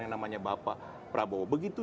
yang namanya bapak prabowo begitu